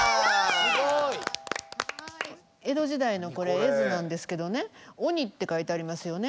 すごい！江戸時代のこれ絵図なんですけどね「鬼」って書いてありますよね。